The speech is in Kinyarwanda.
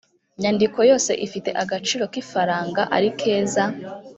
nyandiko yose ifite agaciro kifaranga arikeza